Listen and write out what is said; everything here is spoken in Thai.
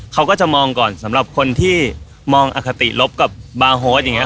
เขาก็จะมองก่อนสำหรับคนที่มองอคติลบกับบาร์โฮสอย่างนี้